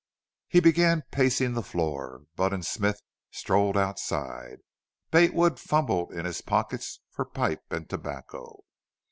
He began pacing the floor. Budd and Smith strolled outside. Bate Wood fumbled in his pockets for pipe and tobacco.